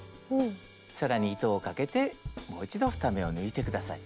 更に糸をかけてもう一度２目を抜いて下さい。